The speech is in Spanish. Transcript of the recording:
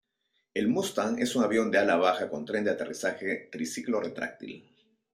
El Mustang es un avión de ala baja con tren de aterrizaje triciclo retráctil.